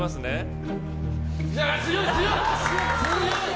強い、強い！